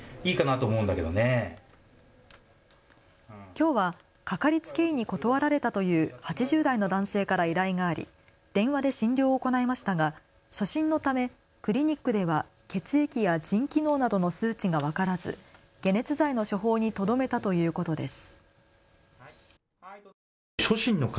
きょうはかかりつけ医に断られたという８０代の男性から依頼があり電話で診療を行いましたが初診のためクリニックでは血液や腎機能などの数値が分からず解熱剤の処方にとどめたということです。